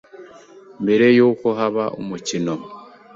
mbere y’uko haba umukino